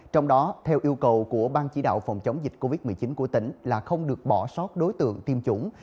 trong đó theo yêu cầu của ban chỉ đạo phòng chống dịch covid một mươi chín của tỉnh là không được bỏ sót đối tượng tiêm chủng